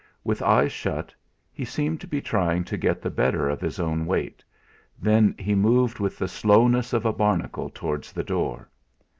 With eyes shut, he seemed to be trying to get the better of his own weight, then he moved with the slowness of a barnacle towards the door.